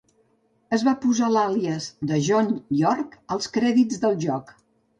Es va posar l'àlies de "John York" als crèdits del joc.